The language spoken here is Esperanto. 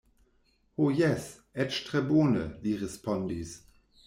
Ho jes, eĉ tre bone, li respondis.